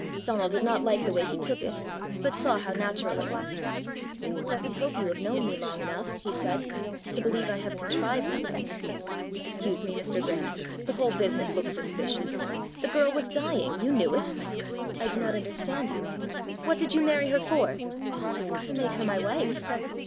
Donal did not like the way he took it, but saw how natural it was. "I hope you have known me long enough," he said, "to believe I have contrived nothing?" "Excuse me, Mr. Grant: the whole business looks suspicious. The girl was dying! You knew it!" "I do not understand you." "What did you marry her for?" "To make her my wife."